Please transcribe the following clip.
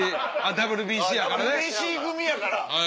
ＷＢＣ組やから。